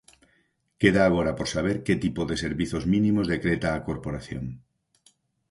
Queda agora por saber que tipo de servizos mínimos decreta a Corporación.